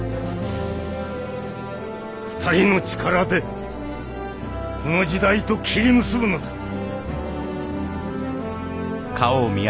２人の力でこの時代と斬り結ぶのだ。